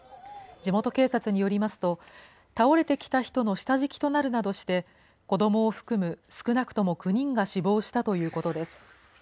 地元警察によりますと、倒れてきた人たちの下敷きになるなどして、子どもを含む少なくとも９人が死亡したということです。